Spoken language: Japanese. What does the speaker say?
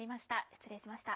失礼しました。